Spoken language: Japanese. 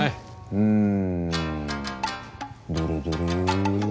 うんどれどれ。